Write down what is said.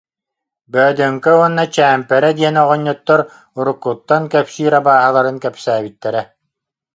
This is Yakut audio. Бөөдөҥкө уонна Чээмпэрэ диэн оҕонньоттор уруккуттан кэпсиир абааһыларын кэпсээбиттэрэ